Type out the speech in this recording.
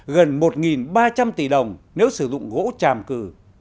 gần một nghìn ba trăm linh tỷ đồng nếu sử dụng gỗ chàm cừ